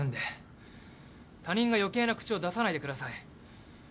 他人が余計な口を出さないでください。